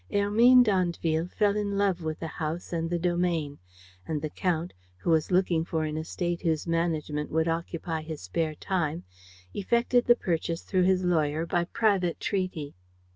Hermine d'Andeville fell in love with the house and the domain; and the Count, who was looking for an estate whose management would occupy his spare time effected the purchase through his lawyer by private treaty.